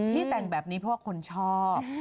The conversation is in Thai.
แต่งแบบนี้เพราะว่าคนชอบ